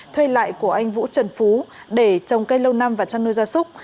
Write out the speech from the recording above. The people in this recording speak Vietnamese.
thuê lại của anh vũ trần phú để trồng cây lâu năm và chăn nuôi gia súc